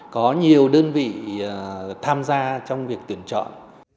có nhiều đơn vị tham gia trong việc tuyển chọn